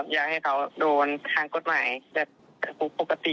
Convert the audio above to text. อยากให้เขาโดนทางกฎหมายและถูกปกติไปเลยครับ